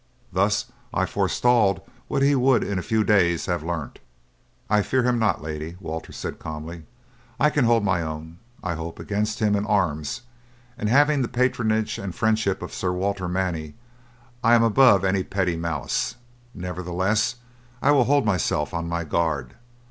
Thus I forestalled what he would in a few days have learnt." "I fear him not, lady," Walter said calmly. "I can hold mine own, I hope, against him in arms, and having the patronage and friendship of Sir Walter Manny I am above any petty malice. Nevertheless I will hold myself on my guard.